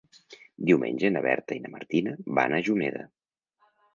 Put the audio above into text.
Diumenge na Berta i na Martina van a Juneda.